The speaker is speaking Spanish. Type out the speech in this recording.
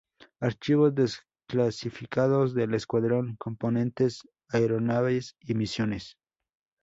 Archivos desclasificados del escuadrón, componentes, aeronaves y misiones.